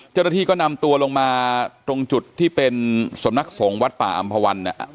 เจ้าหน้าที่ก็นำตัวลงมาตรงจุดที่เป็นสำนักสงฆ์วัดป่าอำภาวัน